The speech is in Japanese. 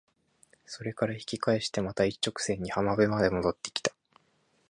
それから引き返してまた一直線に浜辺まで戻って来た。